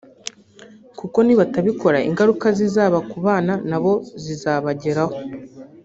kuko nibatabikora ingaruka zizaba ku bana na bo zizabageraho